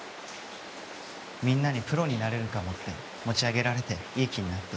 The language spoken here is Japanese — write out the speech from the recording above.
みんなにプロになれるかもって持ち上げられていい気になって。